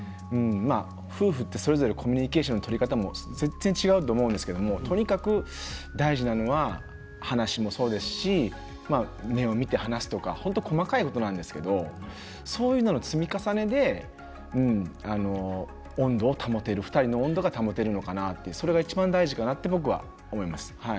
夫婦ってそれぞれコミュニケーションの取り方も全然、違うと思うんですけどとにかく大事なのは話もそうですし目を見て話すとか細かいことなんですけどそういうのの積み重ねで温度を保てる２人の温度が保てるのかなってそれがいちばん大事かなと僕は思います。